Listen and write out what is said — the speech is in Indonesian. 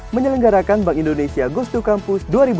menyelenggarakan bank indonesia gosekamu dua ribu tujuh belas